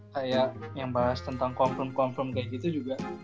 kayak yang bahas tentang confirm confirm kayak gitu juga